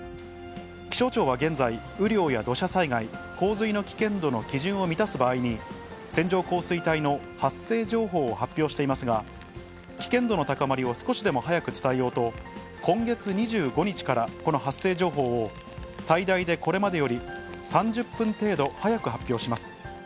気象庁は現在、雨量や土砂災害、洪水の危険度の基準を満たす場合に、線状降水帯の発生情報を発表していますが、危険度の高まりを少しでも早く伝えようと、今月２５日からこの発生情報を、最大でこれまでより３０分程度早く発表します。